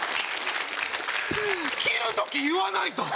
切る時言わないと。